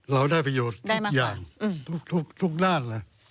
เราได้ประโยชน์ทุกอย่างทุกด้านเลย